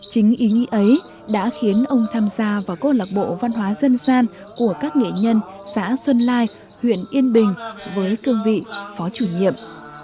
chính ý nghĩa ấy đã khiến ông tham gia vào cô lạc bộ văn hóa dân gian của các nghệ nhân xã xuân lai huyện yên bình với cương vị phó chủ nhiệm